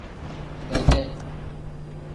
Bedee.